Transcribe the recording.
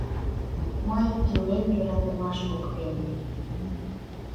Мый илем йӧратымаш воктене